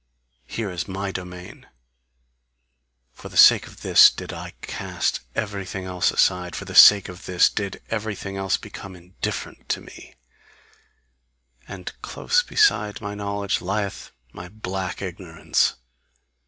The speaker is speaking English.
Here is MY domain! For the sake of this did I cast everything else aside, for the sake of this did everything else become indifferent to me; and close beside my knowledge lieth my black ignorance.